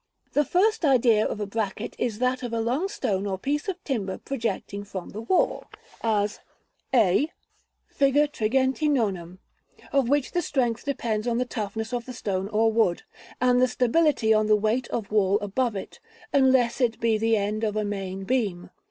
The first idea of a bracket is that of a long stone or piece of timber projecting from the wall, as a, Fig. XXXIX., of which the strength depends on the toughness of the stone or wood, and the stability on the weight of wall above it (unless it be the end of a main beam).